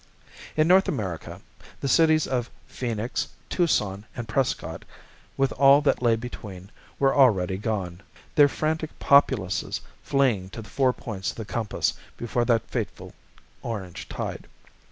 In North America, the cities of Phoenix, Tucson and Prescott, with all that lay between, were already gone, their frantic populaces fleeing to the four points of the compass before that fateful orange tide.